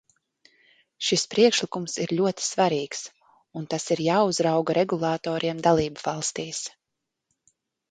Šis priekšlikums ir ļoti svarīgs, un tas ir jāuzrauga regulatoriem dalībvalstīs.